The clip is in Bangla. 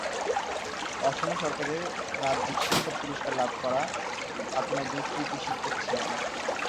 অসম সরকারের ‘রাজ্যিক শিক্ষক পুরস্কার’ লাভ করা খাতুন একজন কৃতি শিক্ষক ছিলেন।